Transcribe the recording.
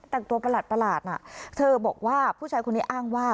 แต่งตัวประหลาดน่ะเธอบอกว่าผู้ชายคนนี้อ้างว่า